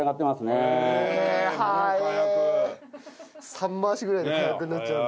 ３回しぐらいで火薬になっちゃうんだ。